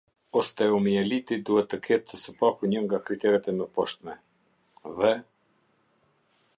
Osteomieliti duhet të ketë së paku një nga kriteret e mëposhtme: Dhe.